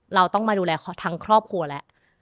เราต้องมาดูแลทั้งครอบครัวแล้ว